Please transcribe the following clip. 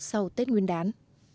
sau tết nguyên đán